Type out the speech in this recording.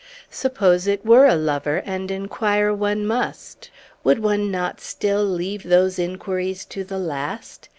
Suppose it were a lover, and inquire one must: would one not still leave those inquiries to the last?